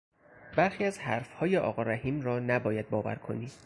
برخی از حرفهای آقا رحیم را نباید باور کنی!